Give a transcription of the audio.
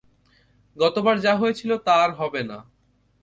গতবার যা হয়েছিল তা আর হবে না।